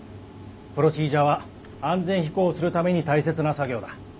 プロシージャーは安全飛行するために大切な作業だ。